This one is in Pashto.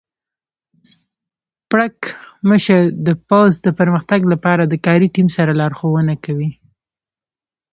پړکمشر د پوځ د پرمختګ لپاره د کاري ټیم سره لارښوونه کوي.